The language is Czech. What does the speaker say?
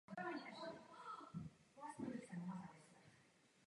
Psal básně v lokálním italském dialektu.